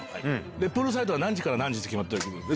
プールサイドは何時から何時って決まってる。